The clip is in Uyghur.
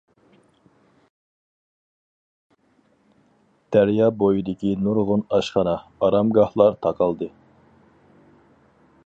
دەريا بويىدىكى نۇرغۇن ئاشخانا، ئارامگاھلار تاقالدى.